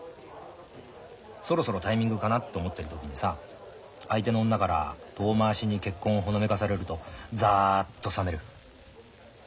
そろそろタイミングかなって思ってる時にさ相手の女から遠回しに結婚をほのめかされるとざっと冷める。